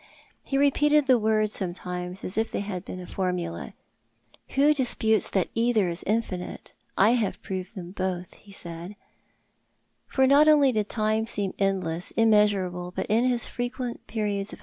He repeated the words sometimes as if they had been a formula—" Who disputes that either is infinite ? I have proved them both," he said ; for not only did time seem endless, immeasurable, but in his frequent periods of h.